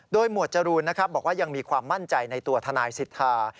โดยหมวดจรูนบอกว่ายังมีความมั่นใจในตัวทนายสิทธา